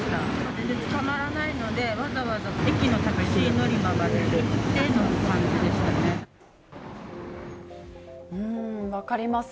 全然つかまらないので、わざわざ駅のタクシー乗り場まで行って、分かります。